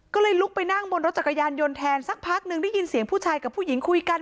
ก็เลยลุกไปนั่งบนรถจักรยานยนต์แทนสักพักหนึ่งได้ยินเสียงผู้ชายกับผู้หญิงคุยกัน